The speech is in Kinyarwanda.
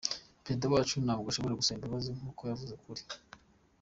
Perezida wacu ntabwo ashobora gusaba imbabazi z’uko yavuze ukuri!”